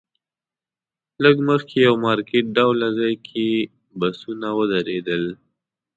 لږ مخکې یو مارکیټ ډوله ځای کې بسونه ودرېدل.